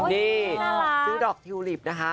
นี่ซื้อดอกทิวลิปนะคะ